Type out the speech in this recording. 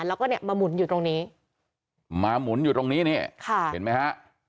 แล้วก็เนี่ยมาหมุนอยู่ตรงนี้มาหมุนอยู่ตรงนี้นี่ค่ะเห็นไหมฮะ